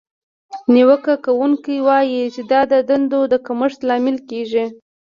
نیوکه کوونکې وایي چې دا د دندو د کمښت لامل کیږي.